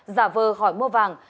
giả vờ hỏi mua vàng